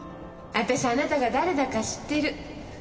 私あなたが誰だか知ってる。